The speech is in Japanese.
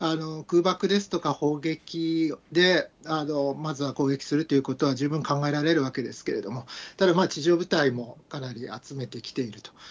空爆ですとか、砲撃で、まずは攻撃するということは十分考えられるわけですけれども、ただ、地上部隊もかなり集めてきていると。